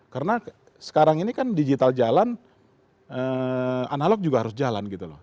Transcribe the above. karena sekarang ini kan digital jalan analog juga harus jalan gitu loh